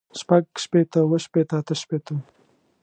شپږ شپېته اووه شپېته اتۀ شپېته